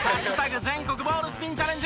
全国ボールスピンチャレンジ